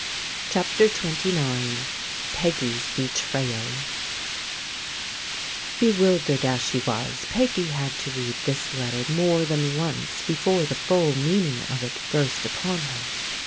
CHAPTER XXDC PEGGY'S BETRAYAL BEWILDERED as she was, Peggy had to read this letter more than once before the full mean ing of it burst upon her.